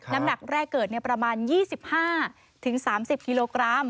น้ำหนักแรกเกิดประมาณ๒๕๓๐กิโลกรัม